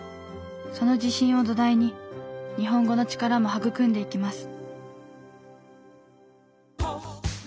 その自信を土台に日本語の力も育んでいきます。